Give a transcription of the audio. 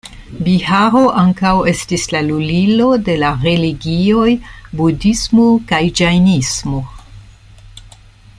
Biharo ankaŭ estis la lulilo de la religioj budhismo kaj ĝajnismo.